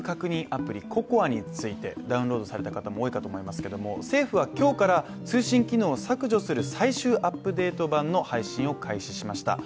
アプリＣＯＣＯＡについて、ダウンロードされた方も多いかと思いますけども政府は今日から通信機能を削除する最終アップデート版の配信を開始しました。